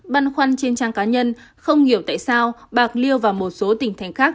băn khoăn trên trang cá nhân không hiểu tại sao bạc liêu và một số tỉnh thành khác